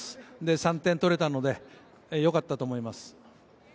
３点取れたので、よかったと思います。